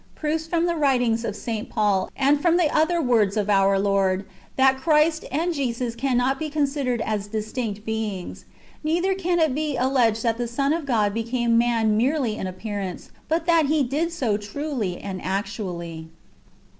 Proofs from the loritings of St. Paul, and from the words of our Lord, that Cltrist and Jesus cannot he considered as dis tinct beings; neither can it be alleged that the Son of God became man merely in appearance, hut that He did so truly and actually, 1.